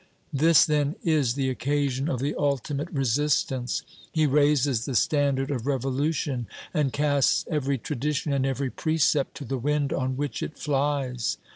This, then, is the occasion of the ultimate resistance. He raises the standard of revolution, and casts every tradition and every precept to the wind on which it flies.